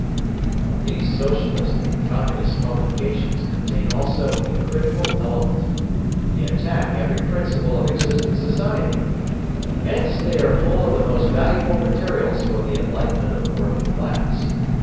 But these Socialist and Communist publications contain also a critical element. They attack every principle of existing society. Hence they are full of the most valuable materials for the enlightenment of the working class.